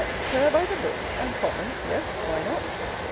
Pray'r by th' book? and Common? Yes; Why not?